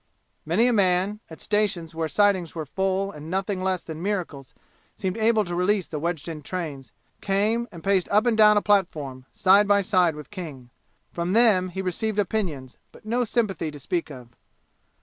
Many a man, at stations where the sidings were all full and nothing less than miracles seemed able to release the wedged in trains, came and paced up and down a platform side by side with King. From them he received opinions, but no sympathy to speak of.